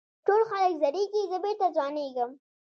ټول خلک زړېږي زه بېرته ځوانېږم.